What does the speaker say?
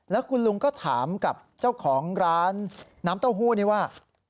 แล้วคุณลุงก็ถามกับเจ้าของร้านน้ำเต้าหู้นี่ว่า